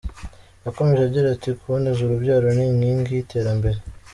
Yakomeje agira ati “Kuboneza urubyaro ni inkingi y’iterambere.